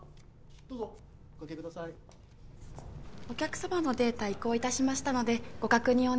お客さまのデータ移行いたしましたのでご確認